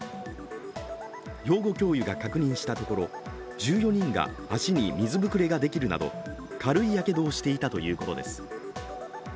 養護教諭が確認したところ、１４人が足に水膨れができるなど軽いやけどをしていたということです。